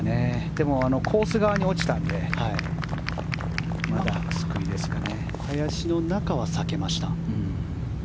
でもコース側に落ちたんで林の中は避けました。